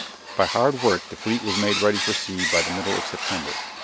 By hard work the fleet was made ready for sea by the middle of September.